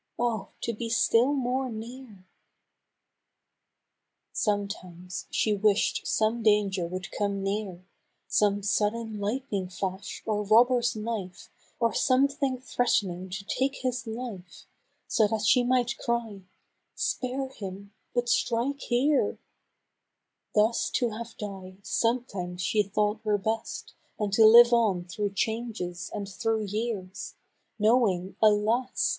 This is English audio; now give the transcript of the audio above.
Oh ! to be still more near !" 104 ^ Dream of the South, Sometimes she wished some danger would come near, Some sudden lightning flash or robber's knife Or something threatening to take his life, So that she might cry, " Spare him, but strike here P^ Thus to have died, sometimes she thought were best Than to live on through changes and through years, Knowing, alas